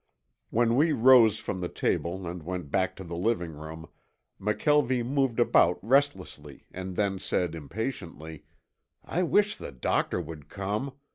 When we rose from the table and went back to the living room, McKelvie moved about restlessly, and then said impatiently, "I wish the doctor would come.